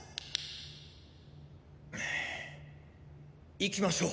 行きましょう。